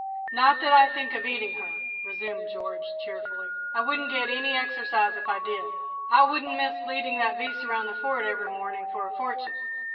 "Not that I think of eating her," resumed George, cheerfully; "I wouldn't get any exercise if I did. I wouldn't miss leading that beast around the Fort every morning for a fortune.